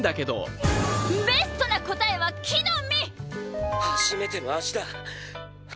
ベストな答えは木の実！